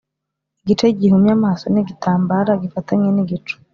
igice-gihumye amaso nigitambara gifatanye nigicu: